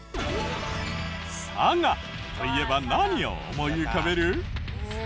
「佐賀」といえば何を思い浮かべる？